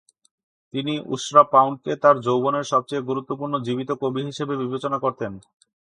তিনি ইষ্রা পাউন্ডকে তার যৌবনের সবচেয়ে গুরুত্বপূর্ণ জীবিত কবি হিসেবে বিবেচনা করতেন।